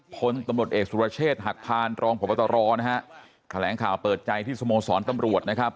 พลตำรวจเอกสุรเชษฐ์หักพานรองพบตรนะฮะแถลงข่าวเปิดใจที่สโมสรตำรวจนะครับ